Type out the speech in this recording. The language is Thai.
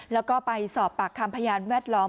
แล้วก็ไปสอบปากคำพยานแวดล้อม